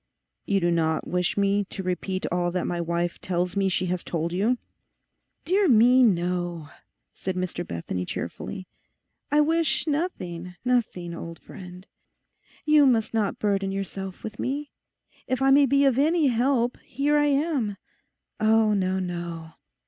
'You do not wish me to repeat all that my wife tells me she has told you?' 'Dear me, no,' said Mr Bethany cheerfully, 'I wish nothing, nothing, old friend. You must not burden yourself with me. If I may be of any help, here I am.... Oh, no, no....